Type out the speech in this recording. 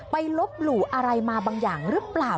ลบหลู่อะไรมาบางอย่างหรือเปล่า